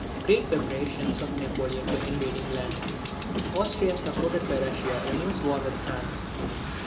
Great preparations of Napoleon to invade England. Austria, supported by Russia, renews war with France.